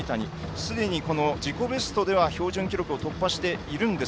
すでに自己ベストでは標準記録を突破しています。